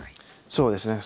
そうですね。